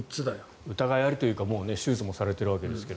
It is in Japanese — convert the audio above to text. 疑いありというか手術もされているわけですが。